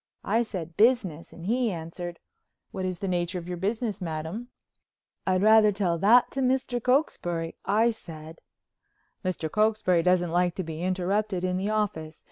I said business, and he answered: "What is the nature of your business, Madam?" "I'd rather tell that to Mr. Cokesbury," I said. "Mr. Cokesbury doesn't like to be interrupted in the office.